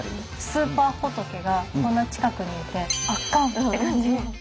スーパー仏がこんな近くにいて圧巻！って感じ。